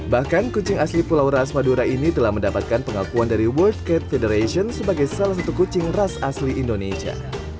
bahkan kucing asli pulau ras madura ini telah mendapatkan pengakuan dari world cat federation sebagai salah satu kucing ras asli indonesia